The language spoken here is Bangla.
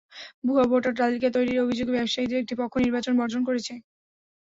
ভুয়া ভোটার তালিকা তৈরির অভিযোগে ব্যবসায়ীদের একটি পক্ষ নির্বাচন বর্জন করেছে।